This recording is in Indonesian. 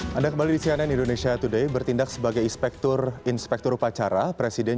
hai anda kembali di cnn indonesia today bertindak sebagai inspektur inspektur upacara presiden